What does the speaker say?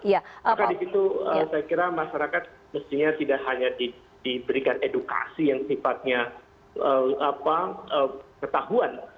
maka di situ saya kira masyarakat mestinya tidak hanya diberikan edukasi yang sifatnya ketahuan